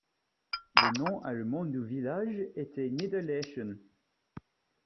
Le nom allemand du village était Nieder-Leschen.